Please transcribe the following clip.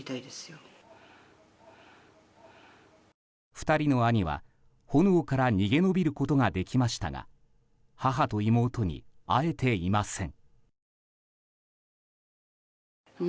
２人の兄は、炎から逃げ延びることができましたが母と妹に会えていません。